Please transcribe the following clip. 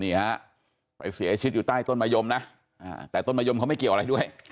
นี่ฮะไปเสียชีวิตอยู่ใต้ต้นมะยมนะแต่ต้นมะยมเขาไม่เกี่ยวอะไรด้วย